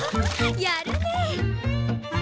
やるね！